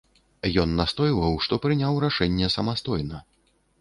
Ён настойваў, што прыняў рашэнне самастойна.